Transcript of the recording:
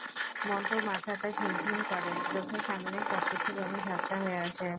মন্তুর মাথাটা ঝিমঝিম করে, চোখের সামনের সবকিছু কেমন ঝাপসা হয়ে আসে।